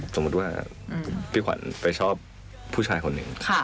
สมมุติว่าพี่ขวัญไปชอบผู้ชายคนหนึ่ง